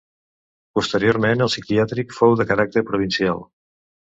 Posteriorment, el psiquiàtric fou de caràcter provincial.